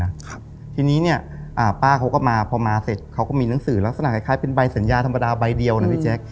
ครับทีนี้เนี้ยอ่าป้าเขาก็มาพอมาเสร็จเขาก็มีหนังสือลักษณะคล้ายคล้ายเป็นใบสัญญาธรรมดาใบเดียวนะพี่แจ๊ค